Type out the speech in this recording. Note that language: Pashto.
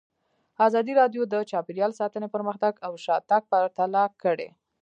ازادي راډیو د چاپیریال ساتنه پرمختګ او شاتګ پرتله کړی.